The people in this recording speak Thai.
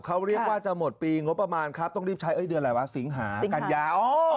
เขาเรียกว่าจะหมดปีงบประมาณครับต้องรีบใช้เดือนอะไรวะสิงหากัญญา